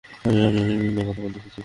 আমি আমার মেয়ের বিয়ে নিয়ে কথা বলতে এসেছি।